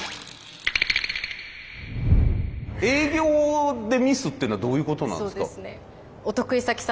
営業でミスってのはどういうことなんですか？